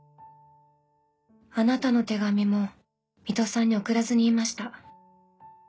あなたの手紙も水戸さんに送らずにいました。